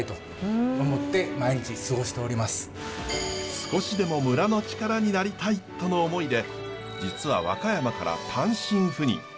少しでも村の力になりたいとの思いで実は和歌山から単身赴任。